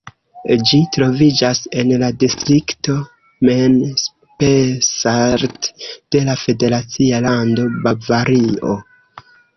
Ĝi troviĝas en la distrikto Main-Spessart de la federacia lando Bavario.